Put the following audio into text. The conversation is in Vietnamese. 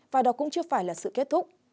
và đó cũng chưa phải là sự kết thúc